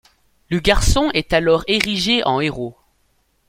Le garçon est alors érigé en héros.